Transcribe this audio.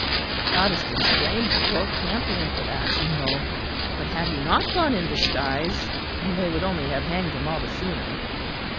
The Protestants blamed poor Campion for that, you know; but had he not gone in disguise, they would only have hanged him all the sooner.